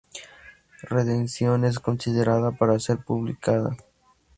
Redención" es considerada para ser publicada.